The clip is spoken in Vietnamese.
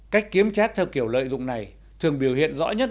cách kiếm chét theo kiểu lợi dụng này thường biểu hiện rõ nhất